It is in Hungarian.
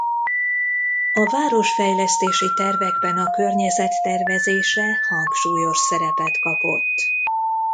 A városfejlesztési tervekben a környezet tervezése hangsúlyos szerepet kapott.